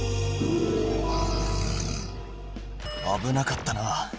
あぶなかったな。